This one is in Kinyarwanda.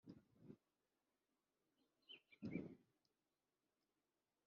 usa n’uw’ifatizo mu miterere no mu byo usobanura.